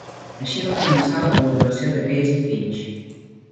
Així va començar la col·laboració de Casey-Finch.